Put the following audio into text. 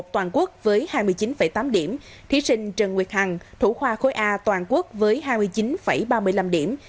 toàn quốc với hai mươi chín tám điểm thí sinh trần nguyệt hằng thủ khoa khối a toàn quốc với hai mươi chín ba mươi năm điểm